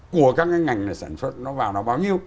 của các cái ngành sản xuất nó vào nó bao nhiêu